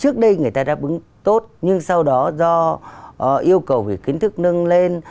trước đây người ta đáp ứng tốt nhưng sau đó do yêu cầu về kiến thức nâng lên